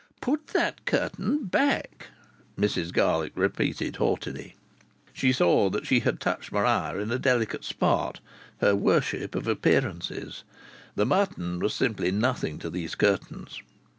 "Put that curtain back," Mrs Garlick repeated haughtily. She saw that she had touched Maria in a delicate spot her worship of appearances. The mutton was simply nothing to these curtains.